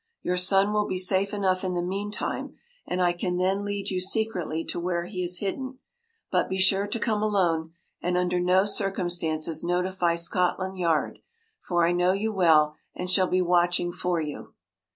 Your son will be safe enough in the meantime, and I can then lead you secretly to where he is hidden. But be sure to come alone, and under no circumstances notify Scotland Yard, for I know you well and shall be watching for you.